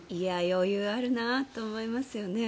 余裕あるなと思いますよね。